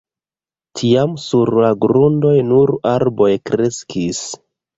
Tiam sur la grundoj nur arboj kreskis.